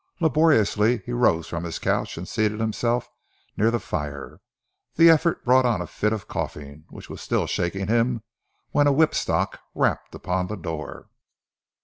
Laboriously he rose from his couch and seated himself near the fire. The effort brought on a fit of coughing, which was still shaking him, when a whipstock rapped upon the door.